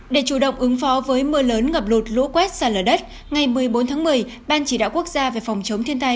để chủ động ứng phó với mưa lớn ngập lụt lũ quét xa lở đất ngày một mươi bốn tháng một mươi ban chỉ đạo quốc gia về phòng chống thiên tai